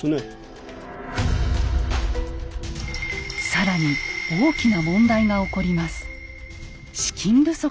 更に大きな問題が起こります。